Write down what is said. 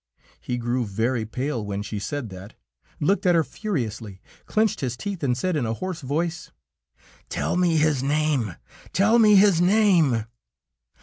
He grew very pale when she said that, looked at her furiously, clenched his teeth and said in a hoarse voice: "'Tell me his name, tell me his name!'